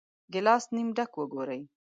ګیلاس نیم ډک وګورئ.